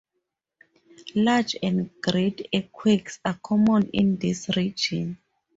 Large and great earthquakes are common in this region.